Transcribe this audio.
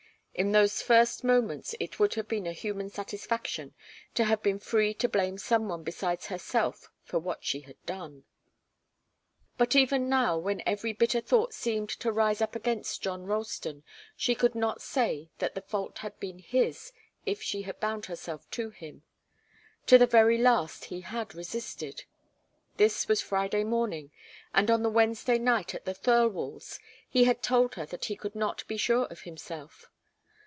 In those first moments it would have been a human satisfaction to have been free to blame some one besides herself for what she had done. But even now, when every bitter thought seemed to rise up against John Ralston, she could not say that the fault had been his if she had bound herself to him. To the very last he had resisted. This was Friday morning, and on the Wednesday night at the Thirlwalls' he had told her that he could not be sure of himself.